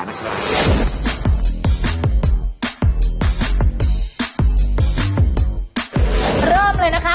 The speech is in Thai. เริ่มเลยนะคะคุณผู้ชมค่ะ